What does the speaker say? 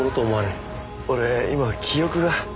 俺今記憶が。